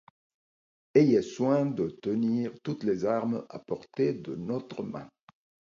Ayez soin de tenir toutes les armes à portée de notre main.